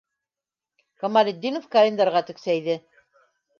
- Камалетдинов календарға тексәйҙе.